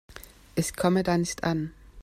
Ich komme da nicht an.